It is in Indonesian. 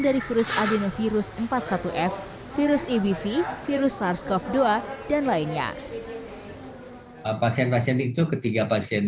dari virus adenovirus empat puluh satu f virus ebv virus sars cov dua dan lainnya pasien pasien itu ketiga pasien